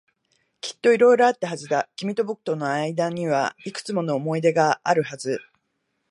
きっと色々あったはずだ。君と僕の間にはいくつも思い出があるはず。